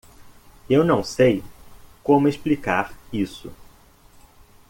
Eu não sei como explicar isso.